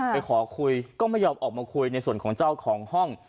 ไปขอคุยก็ไม่ยอมออกมาคุยในส่วนของเจ้าของห้อง